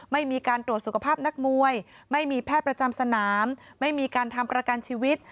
ไม่มีการตรวจสุขภาพนักมวยไม่มีแพทย์ประจำสนามไม่มีการทำประกันชีวิต